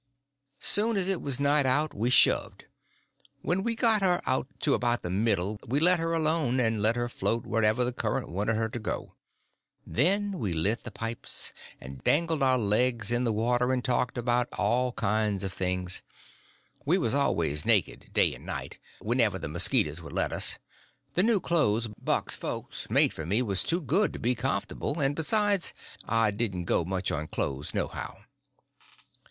'" Soon as it was night out we shoved; when we got her out to about the middle we let her alone, and let her float wherever the current wanted her to; then we lit the pipes, and dangled our legs in the water, and talked about all kinds of things—we was always naked, day and night, whenever the mosquitoes would let us—the new clothes Buck's folks made for me was too good to be comfortable, and besides I didn't go much on clothes, nohow.